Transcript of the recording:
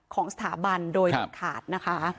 ของสถาบันโดยขาดนะคะ